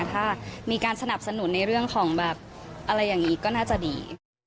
ถ้ามีการสนับสนุนในเรื่องของแบบอะไรอย่างนี้ก็น่าจะดี